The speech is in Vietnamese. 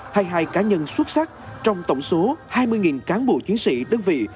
hay hai cá nhân xuất sắc trong tổng số hai mươi cán bộ chiến sĩ đơn vị